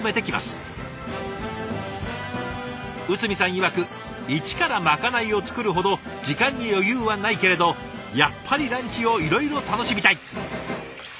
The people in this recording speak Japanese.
いわく一からまかないを作るほど時間に余裕はないけれどやっぱりランチをいろいろ楽しみたい。